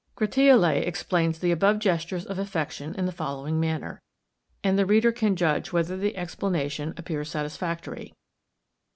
Gratiolet explains the above gestures of affection in the following manner: and the reader can judge whether the explanation appears satisfactory.